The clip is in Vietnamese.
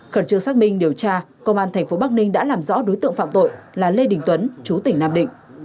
khẩn trương xác minh điều tra công an tp bắc ninh đã làm rõ đối tượng phạm tội là lê đình tuấn chú tỉnh nam định